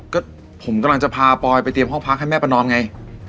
ก็ผมกำลังจะพาปอยไปเตรียมห้องพักให้แม่ประนอมไง